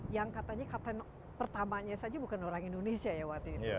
yang katanya kapten pertamanya saja bukan orang indonesia ya waktu itu